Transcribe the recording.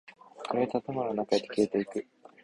暗い建物の中へと消えていく。